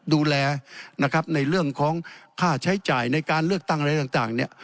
ดูแลนะครับในเรื่องของค่าใช้จ่ายในการเลือกตั้งอะไรต่างเนี่ย